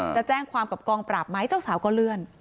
จะแจ้งความกับกองปราบไหมเจ้าสาวก็เลื่อน